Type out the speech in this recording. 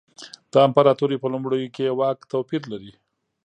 د امپراتورۍ په لومړیو کې یې واک توپیر لري.